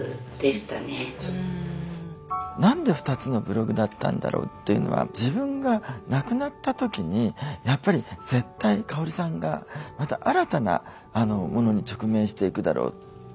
何で２つのブログだったんだろうっていうのは自分が亡くなった時にやっぱり絶対香さんがまた新たなものに直面していくだろうって。